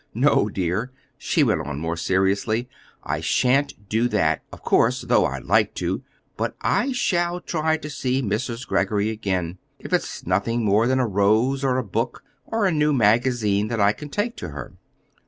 No, dear," she went on more seriously, "I sha'n't do that, of course though I'd like to; but I shall try to see Mrs. Greggory again, if it's nothing more than a rose or a book or a new magazine that I can take to her."